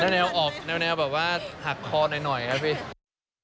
ออกแนวแบบว่าหักคอหน่อยครับพี่